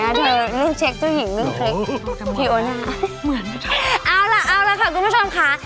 เอาล่ะเอาล่ะค่ะทุกทุกชมค่ะ